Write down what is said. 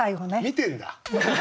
見てんだ。